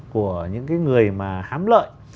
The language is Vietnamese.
của những cái người mà hám lợi